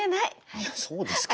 いやそうですけど。